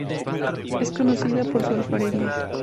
Es conocida por su alfarería.